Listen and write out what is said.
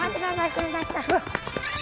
国崎さん。